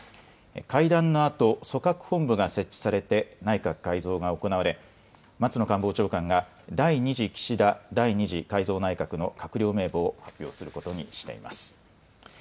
会談のあと組閣本部が設置されて内閣改造が行われ松野官房長官が第２次岸田第２次改造内閣の閣僚名簿を発表することにしています。